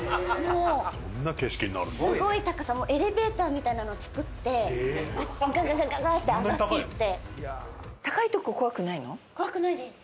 エレベーターみたいなのを作ってガガガガガッて上がっていって。